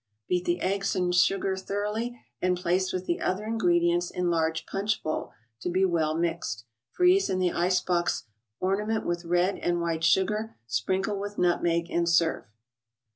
Beat the eggs and sugar thoroughly, and place with the other ingredients in large punch bowl to be well mixed. Freeze in :he ice box, ornament with red and white sugar, sprinkle with nutmeg and serve.